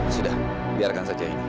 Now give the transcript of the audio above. sudah biarkan saja ini